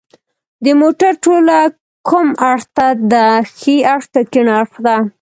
د موټر توله کوم اړخ ته ده ښي اړخ که کیڼ اړخ ته